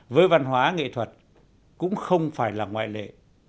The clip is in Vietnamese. với văn hóa nghệ thuật cũng không phải là ngoại lệ